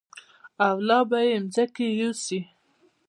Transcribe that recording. او لا به یې مخکې یوسي.